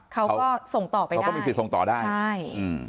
เขาก็ส่งต่อไปได้เขาก็มีสิทธิ์ส่งต่อได้ใช่อืม